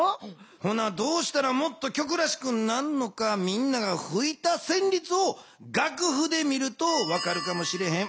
ほなどうしたらもっと曲らしくなるのかみんながふいたせんりつをがくふで見ると分かるかもしれへん。